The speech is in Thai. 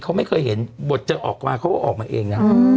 เขาไม่เคยเห็นบทจะออกมาเขาก็ออกมาเองนะครับ